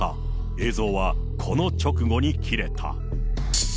映像はこの直後に切れた。